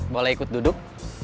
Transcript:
boleh ikut duduk